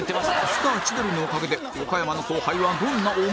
スター千鳥のおかげで岡山の後輩はどんな思いを？